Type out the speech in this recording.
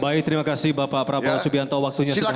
baik terima kasih bapak prabowo subianto waktunya sudah